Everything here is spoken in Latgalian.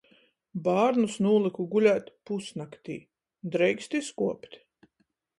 Bārnus nūlyku gulēt pusnaktī. Dreikst izkuopt?